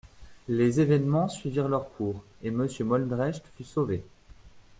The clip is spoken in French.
Les événemens suivirent leur cours, et Monsieur Moldrecht fut sauvé.